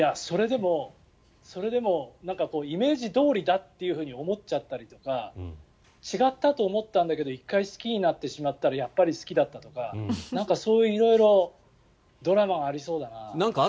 それでもイメージどおりだと思っちゃったりとか違ったと思ったんだけど１回好きになってしまったらやっぱり好きだったとかそういう色々ドラマがありそうだなあ。